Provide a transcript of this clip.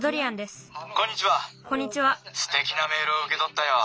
すてきなメールをうけとったよ。